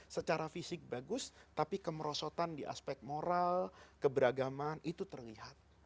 secara fisik bagus tapi kemerosotan di aspek moral keberagaman itu terlihat